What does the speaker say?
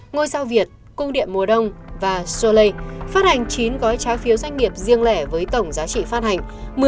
ngôi sao việt cung điện mùa đông và soland phát hành chín gói trái phiếu doanh nghiệp riêng lẻ với tổng giá trị phát hành